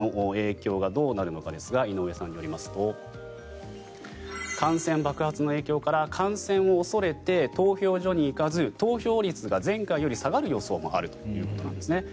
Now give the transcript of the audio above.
こうしたコロナの感染爆発の影響がどうなるのかですが井上さんによりますと感染爆発の影響から感染を恐れて投票所に行かず投票率が前回より下がる予想があるということなんです。